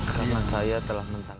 karena saya telah mentang